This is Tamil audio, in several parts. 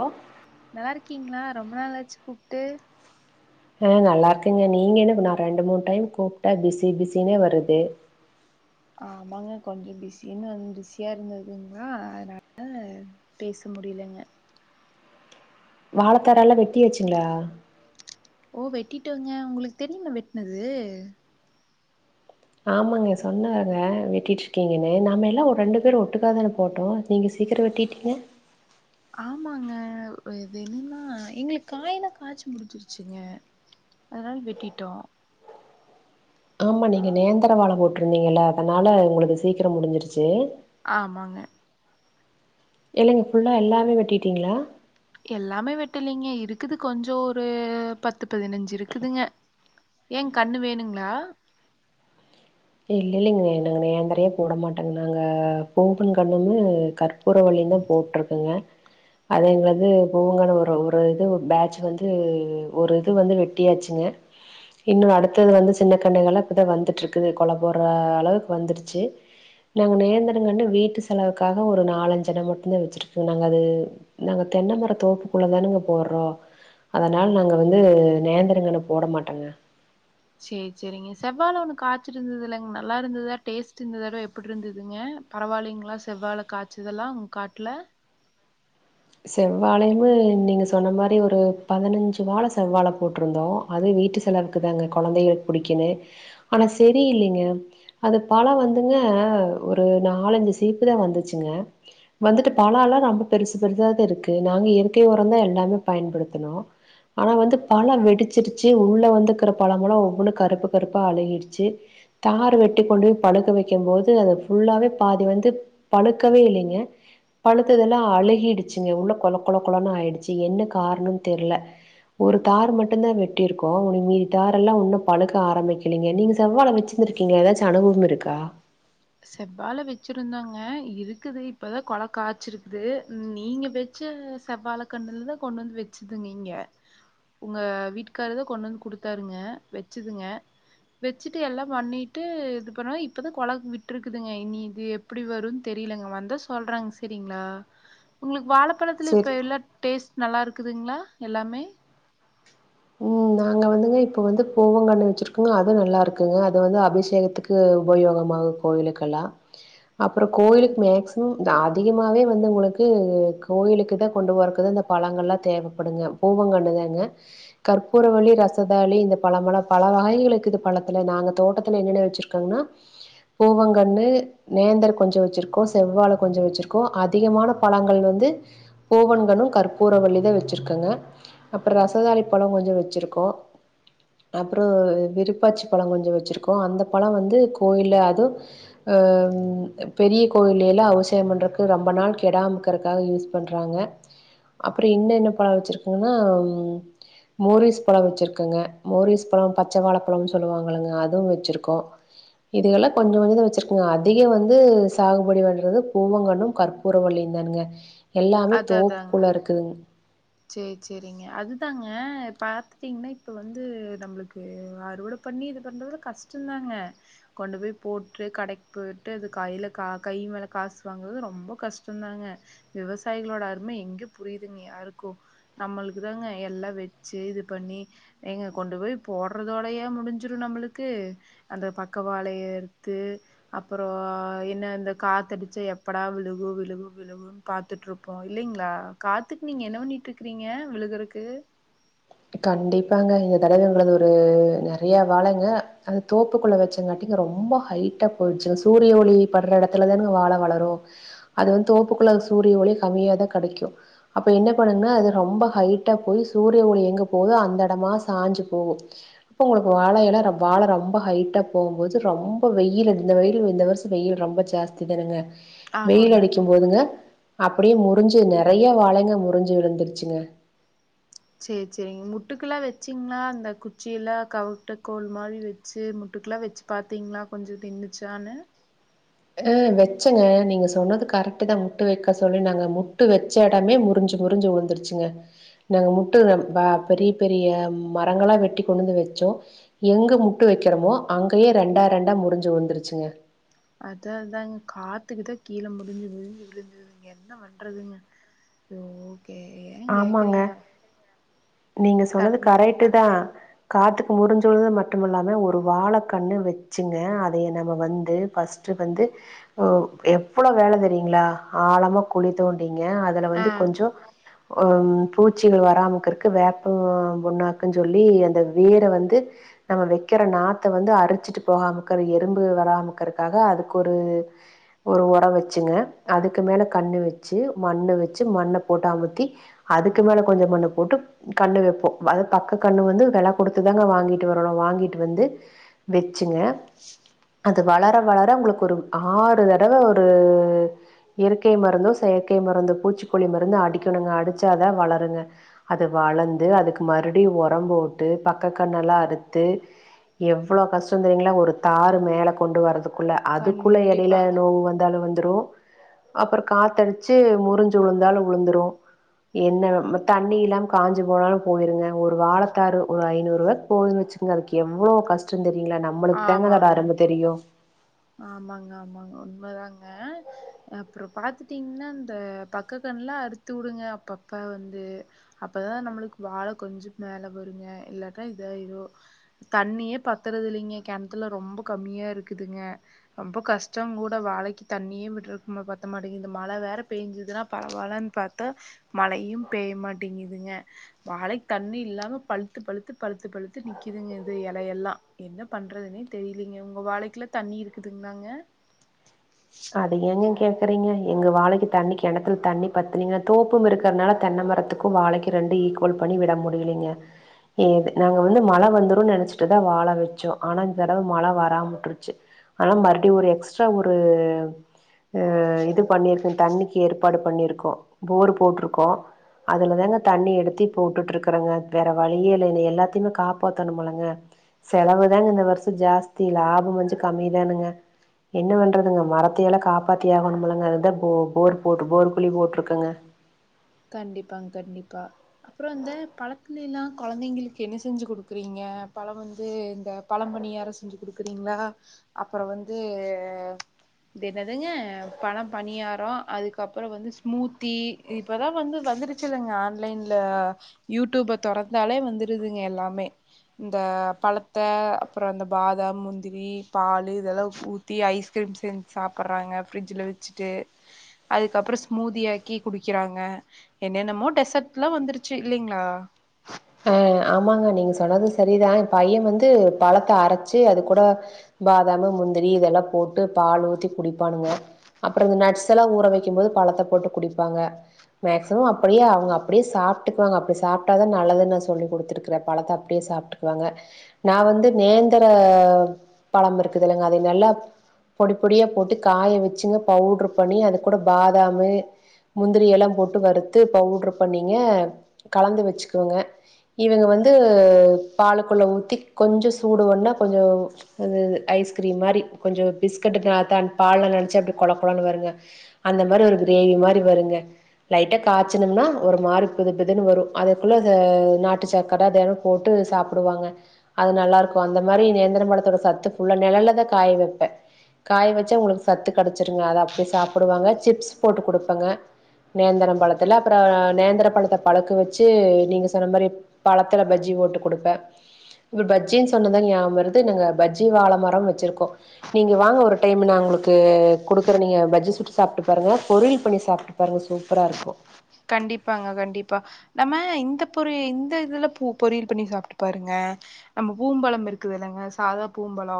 ஹோ நலா இருக்கீங்ளா ரொம்ப நாள் ஆச்சு கூப்டு ஆஹ் நல்லா இருக்கங்க நீங்க என்ன நா ரெண்டு மூணு டைம் கூப்ட பிஸி பிஸினே வருது ஆமாங்க கொஞ்சோ பிஸின்னு வந்து பிஸியா இருந்ததுங்ளா அதனால பேச முடியலங்க வாழத்தாரு எல்லா வெட்டியாசுங்ளா ஓ வெட்டிடோங்க உங்ளுக்கு தெரியுமா வெட்னது ஆமாங்க சொன்னாருங்க வெட்டிட்டு இருக்கீங்கன்னு நாம எல்லா ஒரு ரெண்டு பேரு ஒட்டுகாதானே போட்டோ நீங்க சீக்கிரோ வெட்டிட்டீங்க ஆமாங்க இது என்னனா எங்ளுக்கு காயெல்லா காய்ச்சு முடிச்சிருச்சுங்க அதனால வெட்டிட்டோ ஆமா நீங்க நேந்தர வாழ போட்ருந்தீங்கல்ல அதனால உங்ளுது சீக்கிறோ முடிஞ்சிருச்சு ஆமாங்க இல்லங்க ஃபுல்லா எல்லாமே வெட்டிடீங்ளா எல்லாமே வெட்டலைங்க இருக்குது கொஞ்சோ ஒரு பத்து பதினஞ்சு இருக்குதுங்க ஏங் கண்ணு வேணுங்ளா இல் இல்லைங்க நாங்க நேந்தரையே போட மாட்டோங்க நாங்க போகன் கண்ணுமு க ப்பூற வள்ளியுந்தா போட்ருக்குங்க அதங்க வந்து போங்கன ஒரு ஒரு இது பேட்ச் வந்து ஒரு இது வந்து வெட்டியாச்சுங்க இன்னொரு அடுத்தது வந்து சின்ன கண்ணுகலா இப்பதா வந்துட்ருக்கு கொல போடுற அளவுக்கு வந்துருச்சு நாங்க நேந்தரங்கண்ணு வீட்டு செலவுக்காக ஒரு நாலஞ்சன மட்டுந்தா வெச்சிருக்கோ நாங்க அது நாங்க தென்ன மர தோப்புக்குள்ள தானுங்க போடறோ அதனால நாங்க வந்து நேந்தரங்கண்ணு போட மாட்டங்க சேர் சேரிங்க செவ்வாழ ஒண்ணு காச்சிருந்ததல்லங் நல்லா இருந்ததா டேஸ்ட்டு இந்ததடவ எப்புடுருந்ததுங்க பரவாலைங்ளா செவ்வாழ காச்சதெல்லா உங் காட்ல செவ்வாழைமு நீங்க சொன்ன மாரி ஒரு பதனஞ்சு வாழ செவ்வாழ போட்ருந்தோ அது வீட்டு செலவுக்கு தாங்க கொழந்தைகளுக்கு புடிக்குனு ஆனா செரி இல்லைங்க அது பழ வந்துங்க ஒரு நாலஞ்சு சீப்பு தா வந்துச்சுங்க வந்துட்டு பழ எல்லா ரொம்ப பெருசு ருசாதா இருக்கு நாங்க இயற்கை உரந்தா எல்லாமே பயன்படுத்துனோ ஆனா வந்து பழ வெடிச்சுருச்சு உள்ள வந்து இக்குற பழமெலா கூட ஓவ்வொன்னு கருப்பு கருப்பா அழுகிடுச்சி தாரு வெட்டி கொண்டு போய் பழுக்கவெக்கும்போது அது ஃபுல்லாவே பாதி வந்து பழுக்கவே இல்லைங்க பழுத்ததெலா அழுகி டுச்சுங்க உள்ள கொல கொல கொலன்னு ஆயிடுச்சு என்ன காரணன்னு தெர்ல ஒரு தார் மட்டுந்தா வெட்டிருக்கோ உனி மீதி தாரெல்லா இன்னு பழுக்க ஆரம்பிக்லிங்க நீங்க செவ்வாழ வெச்சிருந்ருக்கிங்ளா எதாச்சி அனுபவமிருக்கா செவ்வாழ வெச்சிருந்தங்க இருக்குது இப்பதா கொல காச்சிருக்குது நீங்க வெச்ச செவ்வாழ கண்ணுலதா கொண்டு வந்து வெச்சுதுங் இங்க உங்க வீட்டுக்காரதா கொண்டு வந்து குடுத்தாருங்க வெச்சுதுங்க வெச்சுட்டு எல்லா பண்ணிட்டு இது பண்ண இப்பதா கொல விட் விட்ருக்குதுங்க இனி இது எப்டி வருன் தெரிலங்க வந்தா சொல்றங் செரிங்ளா உங்ளுக்கு வாழ ப்பழத்துல சரி இப்ப எல்லா டேஸ்ட் நல்லாருக்குதுங்ளா எல்லாமே ம் நாங்க வந்துங்க இப்ப வந்து பூவங்கன்னு வெச்சிருக்கங்க அது நல்லாருக்குங்க அது வந்து அபிஷேகத்துக்கு உபயோகமாகு கோயிலுக்கெல்லா அப்றோ கோயிலுக்கு மேக்சிமம் அதிகமாவே வந்து உங்களுக்கு கோயிலுக்கு தா கொண்டு போறக்குதா இந்த பழங்கள்லா தேவப்படுங்க பூவங்கன்னு தாங்க கற்பூரவள்ளி ரஸதாளி இந்த பழமெலா பல வகைகள் இருக்குது பழத்துல நாங்க தோட்டத்துல என்னென்ன வெச்சிருக்கங்னா பூவங்கன்னு நேந்தர் கொஞ்சோ வெச்சிருக்கோ செவ்வாழ கொஞ்ச வெச்சிருக்கோ அதிகமான பழங்கள் வந்து பூவங்கன்னு கற்பூரவல்லிதா வெச்சிருக்கங்க அப்பற ரசதாளி பழங்கொஞ்சோ வெச்சிருக்கோ அப்ற விருப்பாச்சி பழ கொஞ்சோ வெச்சிருக்கோ அந்த பழ வந்து கோயில்ல அது ஆ பெரிய கோயில்லய்லா அவிசேக பண்றக்கு ரொம்ப நாள் கெடமாக்கிறக்காக யூஸ் பண்றாங்க அப்றோ இன்னு என்ன பழ வெச்சிருக்கேனா மோரிஸ் பழ வெச்சிருக்கங்க மோரிஸ் பழ பச்ச வாழப்பழன் சொல்லுவாங்கல்லங்க அதுவு வச்சிருக்கோ இதுகெல்லா கொஞ்ச கொஞ்சந்தா வெச்சிருக்கங்க அதிக வந்து சாகுபடி பண்றது பூவங்கண்ணு கற்பூர வள்ளியு தானுங்க எல்லாமே தோப்புக்குள்ள இருக்குதுங் சேர் சேரிங்க அதுதாங்க பாத்துட்டிங்னா இப்ப வந்து நம்ளுக்கு அறுவடை பண்ணி இது பண்றதுல கஷ்டந்தாங்க கொண்டு போய் போட்டு கடைக்கு போய்ட்டு அது கைல கா கை மேல காசு வாங்கறது ரொம்ப கஷ்டந்தாங்க விவசா யிகளோட அருமை எங்க புரியுதுங்க யாருக்கு நம்ளுக்கு தாங்க எல்லா வெச்சி இது பண்ணி ஏங்க கொண்டு போய் போடறதோடயா முடிஞ்சிரு நம்முளுக்கு அந்த பக்க வாழையை எடுத்து அப்றோ என்ன இந்த காத்தடிச்சா எப்படா விழுகு விழுகு விழுகுன் பாத்துட்ரு ப்போ இல்லைங்ளா காத்துக் நீங்க என்ன பண்ணிட்ருக்கிங்க விழுகறக்கு கண்டிப்பாங்க இந்த தடவ எங்குளுது ஒரு நெறைய வாழைங்க அது தோப்புக்குள்ள வெச்சங்காட்டிங்க ரொம்ப ஹைட்டா போயிடுச்சுங்க சூரிய ஒளி படற எடத்துலதானங்க வாழ வளரு அது வந்து தோப்புகுள்ள சூரிய ஒளி கமியாதா கெடைக்கு அப்ப என்ன பண்ணுங்னா அது ரொம்ப ஹைட்டா போய் சூரிய ஒளி எங்க போ அந்த எடமா சாஞ்சு போகு அப்ப உங்ளுக்கு வாழையெல வாழ ரொம்ப ஹைட்டா போகும் போது ரொம்ப வெயில் இந்த வெயில் இந்த வருஷ வெயில் ரொம்ப ஜாஸ்தி தானுங்க ஆமாங்க வெயிலடிக்கும் போதுங்க அப்பிடியே முறிஞ்சு நெறைய வாழைங்க முறிஞ்சு விழுந்துருச்சுங்க சேர் சேரிங்க முட்டுக்கெல்லா வெச்சீங்ளா அந்த குச்சி எல்லா கவுட்டு கோள் மாரி வெச்சு முட்டுக்கெல்லா வெச்சு பாத்தீங்ளா கொஞ்சோ நின்னுச்சானு அ வெச்சங்க நீங்க சொன்னது கரெக்ட்டுதா முட்டு வெக்க சொல்லி நாங்க முட்டு வெச்ச எடமே முறிஞ்சு முறிஞ்சு விழுந்துருச்சுங்க நாங்க முட்டு பெரிய பெரிய மரஙளா வெட்டி கொண்டு வந்து வெச்சோ எங்க முட்டு வெக்கிறமோ அங்கயே ரெண்டா ரெண்டா முறிஞ்சு வுழுந்துருச்சுங்க அதா அதாங்க காத்துக்குதா கீழ முறுஞ்சு முறுஞ்சு விழுந்துருதுங்க என்ன வண்றதுங்க ஐயோ ஏ ஏன் ஆமாங்க. கேக்றீங்க நீங்க சொன்னது கரெட்டுதா காத்துக்கு முறுஞ்சு வுழுந்தது மட்டுமில்லாம ஒரு வாழ கண்ணு வெச்சுங்க அதைய நம்ம வந்து ஃபர்ஸ்ட் வந்து எவ்ளோ வேல தெரியுங்ளா ஆழமா குழி தோண் டிங்க அதுல ஆ வந்து கொஞ்சொ ம் பூச்சிகள் வராமக்றக் க்கு வேப்ப பொண்ணாக்குன்னு சொல்லி அந்த வேர வந்து நம்ம வெக்கிற நாத்த வந்து அரிச்சிட்டு போகாமக்கிற எறும்பு வராமக்கிறக்காக அதுக்கு ஒரு ஒரு ஒற வெச்சுங்க அதுக்கு மேல கண்ணு வெச்சு மண்ணு வெச்சு மண்ண போட்டு அமுத்தி அதுக்கு மேல கொஞ்சோ மண்ண போட்டு கன்னு வெப்போ அது பக்க கன்னு வந்து வெல குடுத்து தாங்க வாங்கிட்டு வரணு வாங்கிட்டு வந்து வெச்சுங்க அது வளர வளர உங்ளுக்கு ஒரு ஆறு தடவ ஒரு இயற்கை மருந்தோ செயற்கை மருந்தோ பூச்சிக்கொல்லி மருந்து அடிக்கணுங்க அடிச்சாதா வளருங்க து வளந்து அதுக்கு மறுப்டியு ஒர போட்டு பக்கக்கண்ணல்லா அறுத்து எவ்ளோ கஷ்டொ தெரியுங்க்ளா ஒரு தார் மேல கொண்டு வரதுக் குள்ள அதுக்குள்ள எடையில கண்டிப்பாங்க நோவு வந்தாலு வந் ரு அப்ரோ காத்தடிச்சு முறுஞ்சு வுழுந்தாலு வுழுந்துரு என்ன ம தண்ணி இல்லாம் காஞ்சி போனாலு போயுருங்க ஒரு வாழத்தாரு ஒரு ஐநூறுவாக்கு போகுன்னு வெச்சுக்கங்க அதுக்கெவ்ளோ கஷ்டொ தெ ரியுங்ளா நம்மளுக்தாங்க அதோட ஆமாங்க அரும தெரியு ஆமாங்க ஆமாங்க உண்மதாங்க அப்ரொ பாத்துட்டீங்க்ன்னா இந்த பக்கக்கன்னல்லா அறுத்து வுடுங்க அப்பப்ப வந்து அப்பதா நம்மளுக்கு வாழ கொஞ்சொ மேல வருங்க இல்லாட்ட இதாயிரு தண்ணியே பத்துறதுல்லைங்க கெணத்துல ரொம்ப கம்மியா இருக்குதுங்க ரொம்ப கஷ்டொ கூட வாழைக்கு தண்ணியே விட்டுருக்கும் பத்த மாட்டேங்குது இந்த மழ வேற பேஞ்சுதுன்னா பரவால்லன்னு பாத்தா மழையும் பேய்யமாட்டேங்குதுங்க வாழைக் தண்ணி இல்லாம பழுத்து பழுத்து பழுத்து பழுத்து நிக்கிதுங்க இது எலையெல்லா என்ன பண்றதுனே தெரியலங்க உங்க வாழைக்குல்லா தண்ணி இருக் குதுங்க்ளாங்க அது ஏங்க கேக் றீங்க எங்க வாழைக்கு தண்ணிக்கெணத்துல தண்ணி பத்துலிங்க தோப்பும் இருக்கிறதுனால தென்ன மரத்துக்கு வாழைக்கு ரெண்டு ஈக்குவல் பண்ணி விட முடியலீங்க ஏ நாங்க வந்து மழ வந்துரு நெனச்சிட்டுதா வாழ வெச்சோ ஆனா இந்த தடவ மழ வராமுட்ருச்சு ஆனா மறுவடி ஒரு எக்ஸ்ட்ரா ஒரு ஆ இது பண்ணிருக்கோ தண்ணிக்கு ஏற்பாடு பண்ணிருக்கோ போர் போட்ருக்கோ அதுலதாங்க தண்ணி எடுத்து போட்டுட்டு இருக்ரொங்க வேற வழியே இல்லங்க எல்லாத்தையுமே காப்பாத்தணு முல்லங்க செலவு தாங்க இந்த வருஷ ஜாஸ்தி லாபம் கொஞ்ச கம்மி தானுங்க என்ன பண்றதுங்க மரத் தியல்லா காப்பாத்தியாகணு முல்லங்க அதுதா போ போர் போட்டு போர் குலி போட்ருக்கங்க கண்டிப்பாங்க கண்டிப்பா அப்ரொ வந்து பழத்துல எல்லா கொழந்தைங்ளுக்கு என்ன செஞ்சு குடுக்குறீங்க பழ வந்து இந்த பழம் பணியாரம் செஞ்சு குடுக்குறீங்களா அப்ரொ வந்து இது என்னதுங்க பழ பணியாரொ அதுக்கப்ரொ வந்து ஸ்மூத்தி இப் இப்போதா வந்து வந்துருச்சுல்லங்க ஆன்லைன்ல யூடியுப தொறந்தாலே வந்துருதுங்க எல்லாமே இந்த பலத்த அப்ரொ இந்த பாதம் முந்திரி பாலு இதெல்லா ஊத்தி ஐஸ்கிரீம் செஞ்சு சாப்பிடுறாங்க ஃப்ரிட்ஜ்ல வெச்சுட்டு அதுக்கப்ரொ ஸ்மூதியாக்கி குடிக் க்கிறாங்க என்னென்னமோ டெசட்ல்லா வந்துருச்சு இல்லைங்க்ளா ஆஹ் ஆமாங்க நீங்க சொன்னது சரிதா எ பையன் வந்து பழத்த அரச்சு அது கூட பாதாம் முந்திரி இதெல்லா போட்டு பால் ஊத்தி குடிப்பானுங்க அப்ரொ இந்த நட்ஸ் எல்லா ஊற வெக்கும் போது பழத்த போட்டு குடிப்பாங்க மேக்சிமம் அப்படியே அவங்க அப்டியே சாப்பிட்டுக்குவாங்க அப்டி சாப்ட்டதா நல்லது நா சொல்லி குடுத்துருக்குற பழத்த அப்டியே சாப்ட்டுக்குவாங்க நா வந்து நேந்திர பழம் இருக்குதுல்லங்க அத நல்லா பொடி பொடியா போட்டு காய வெச்சுங்க பவுடரு பண்ணி அது கூட பாதாமு முந்திரி எல்லா போட்டு வறுத்து பவுடரு பண்ணிங்க கலந்து வெச்சுக்குங்க இவங்க வந்து பாலுக்குள்ள ஊத்தி கொஞ்சொ சூடு வன்னா கொஞ்சொ இதூ ஐஸ்கிரீம் மாரி கொஞ்சொ பிஸ்கட் காதன் பால்ல நெனச்ச எப்டி கொழ கொழன்னு வருங்க அந்த மாரி ஒரு கிரேவி மாரி வருங்க லைட்டா காச்சுனம்னா ஒரு மாரி புது புதுன்னு வரு அதுக்குள்ள சா நாட்டு சக்கர அத எல்லா போட்டு சாப்பிடுவாங்க அது நல்லா இருக்கு அந்த மாரி நேந்திரம் பழத்தோட சத்து ஃபுல்லா நெழல்லதா காய வெப்ப காய வெச்சா உங்களுக்கு சத்து கெடச்சிருங்க அத அப்டி சாப்பிடுவாங்க சிப்ஸ் போட்டு குடுப்பேங்க நேந்திரம் பழத்துல அப்ரொ நேந்திர பழத்த பழுக்க வெச்சு நீங்க சொன்ன மாரி பழத்துல பஜ்ஜி ஓட்டு குடுப்ப இப்ப பஜ்ஜின்னு சொன்னதா நியாவ வருது நாங்க பஜ்ஜி வாழ மரம் வெச்சிர்கோ நீங்க வாங்க ஒரு டைம் நா உங்ளுக்கு குடுக்குற நீங்க பஜ்ஜி சுட்டு சாப்ட்டு பாருங்க பொரியள் பண்ணி சாப்ட்டு பாருங்க சூப்பரா இருக்கு கண்டிப்பாங்க கண்டிப்பா நம்ம இந்த பொரி இந்த இதுல பூ பொரியல் பண்ணி சாபிட்டு பாருங்க நம்ம பூம்பழம் இருக்குதுல்லங்க சாதா பூம்பழொ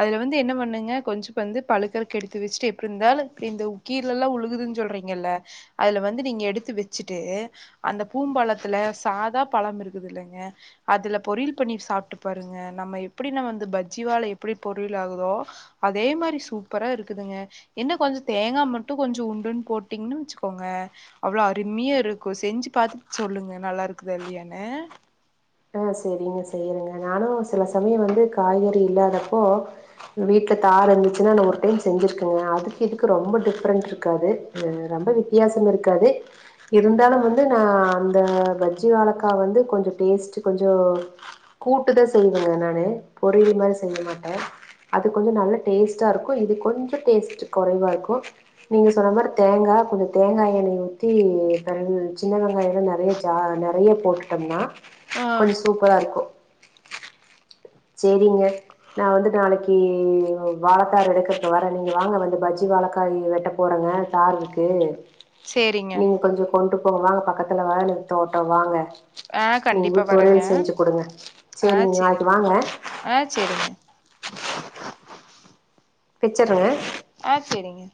அதுல வந்து என்ன பண்ணுங்க கொஞ்ச வந்து பழுக்கறக்கு எடுத்து வெச்சுட்டு எப்டி இருந்தாலு இந்த ஏ கீழல்லா உழுகுதுன்னு சொல்றீங்கல்ல அதுல வந்து நீங்க எடு து வெச்சுட்டு அந்த பூம்பழத்துல சாதா பழாம் இருக்குதுல்லங்க அதுல பொரியல் பண்ணி சாப்ட்டு பாருங்க நம்ம எப்டி நா வந்து பஜ்ஜி வாழ எப்டி பொரியள் ஆகுதோ அதே மாரி சூப்பரா இருக்குதுங்க என்ன கொஞ்ச தேங்கா மட்டு கொஞ்சொ உண்டுன்னு போட்டீங்கன்னு வெச்சுக்கோங்க அவ்ளோ அருமையா இருக்கு செஞ்சு பாத்துட்டு சொல்லுங்க நல்லா இருக்குதா இல்லயானு ஆ சேரிங்க செய்யறங்க நானு சில சமயொ வந்து காய்கறி இல்லாதப்போ வீட்ல தார் இருந்துச்சுன்னா நா ஒரு டைம் செஞ்சுருக்கங்க அதுக்கு இதுக்கு ரொம்ப டிஃப்ரெண்ட் இருக்காது ஆ ரொம்ப வித்தியாசம் இருக்காது இருந்தாலு வந்து நா அந்த பஜ்ஜி வாழக்கா வந்து கொஞ்சொ டேஸ்ட்டு கொஞ்சொ கூட்டுதா செய்வேங்க நானு பொரியல் மாரி செய்ய மாட்ட அது கொஞ்சொ நல்ல டேஸ்ட்டா இருக்கு இது கொஞ்சொ டேஸ்ட் கொறைவா இருக்கு நீங்க சொன்ன மாரி தேங்கா கொஞ்சொ தேங்கா எண்ணெ ஊத்தி [unintelligible] சின்ன வெங்காய எல்லா நெறைய ஜா நெறைய போட்டுட்டம்னா ஆ கொஞ்ச சூப்பரா இருக்கு சேரிங்க நா வந்து நாளைக்கு வாழத்தார் எடுக்கற்கு வரே நீங்க வாங்க வந்து பஜ்ஜி வாழக்காய் வெட்ட போறங்க தார் இருக்கு சேரிங்க நீங்க கொஞ்சொ கொண்ட்டு வவ வாங்க பக்கத்துல தா இருக்கு தோட்டொ வாங்க ஆ நீங்ளு கண்டிப்பா வரேங்க பொரியல் செஞ்சு குடுங்க சேரி நீங்க நாளைக்கு வாங்க ஆஹ் செரிங்க பிச்சருங்க ஆஹ் செரிங்க